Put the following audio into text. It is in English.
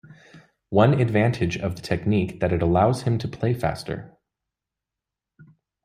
One advantage of the technique that it allows him to play faster.